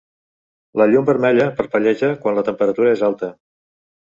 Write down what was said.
La llum vermella parpelleja quan la temperatura és alta.